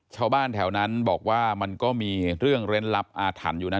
ชาวบ้านแถวนั้นบอกว่ามันก็มีเรื่องเล่นลับอาถรรพ์อยู่นะ